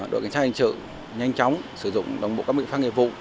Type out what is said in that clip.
đội cảnh sát hành trực nhanh chóng sử dụng đồng bộ các biện pháp nghiệp vụ